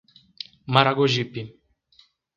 Maragogipe